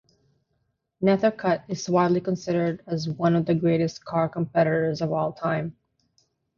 Nethercutt is widely considered as one of the greatest car competitors of all time.